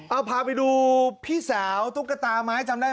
เอาพาไปดูพี่สาวตุ๊กตาไม้จำได้